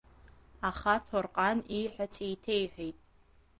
Аха Ҭорҟан ииҳәац еиҭеиҳәеит…